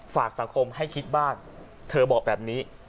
ฝากสังคมให้คิดบ้างเธอบอกแบบนี้